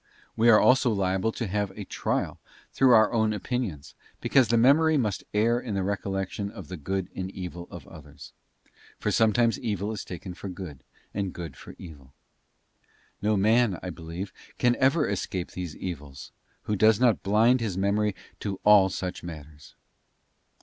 We are also liable to many a trial through our own opinions, because the memory must err in the recollection of the good and evil of others; for sometimes evil is taken for good, and good for evil. No man, as I believe, can ever escape these evils, who does not blind his memory as to all such matters.